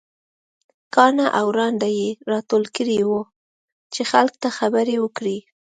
کاڼه او ړانده يې راټول کړي وو چې خلک ته خبرې وکړي.